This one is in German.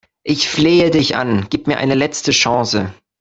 Ich flehe dich an, gib mir eine letzte Chance!